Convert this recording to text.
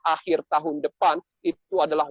akhir tahun depan itu adalah